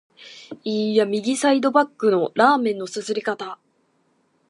いーや、右サイドバックのラーメンの啜り方！